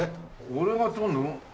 俺が撮るの？